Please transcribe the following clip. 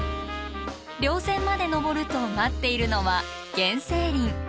稜線まで登ると待っているのは原生林。